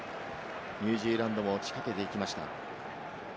ニュージーランドも仕掛けていきました。